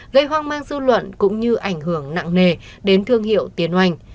gây hoang mang dư luận cũng như ảnh hưởng nặng nề đến thương hiệu tiến oanh